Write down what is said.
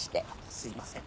すいません。